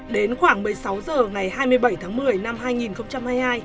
đến khoảng một mươi sáu h ngày hai mươi bảy tháng một mươi năm hai nghìn hai mươi hai